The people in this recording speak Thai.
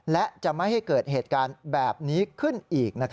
และจะไม่ให้เกิดเหตุการณ์แบบนี้ขึ้นอีก